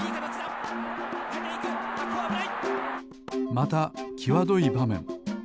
またきわどいばめん。